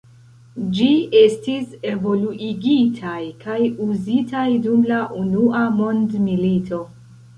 Ĝi estis evoluigitaj kaj uzitaj dum la unua mondmilito.